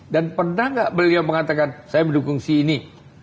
dan pernah gak beliau mengatakan saya mendukung si ini